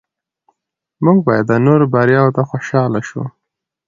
موږ باید د نورو بریاوو ته خوشحاله شو